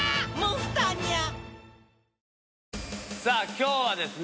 今日はですね